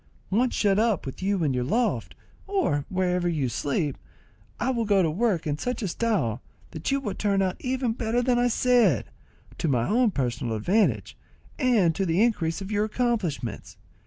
Once shut up with you in your loft, or wherever you sleep, I will go to work in such style that you will turn out even better than I said, to my own personal advantage, and to the increase of your accomplishments.